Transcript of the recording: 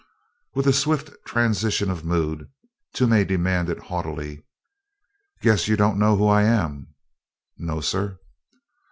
With a swift transition of mood Toomey demanded haughtily: "Gue'sh you don' know who I am?" "No, sir."